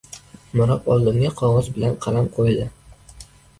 Mirob oldimga qog‘oz bilan qalam qo‘ydi.